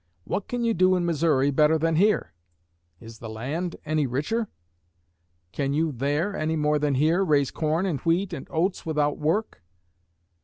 What can you do in Missouri better than here? Is the land any richer? Can you there, any more than here, raise corn and wheat and oats without work?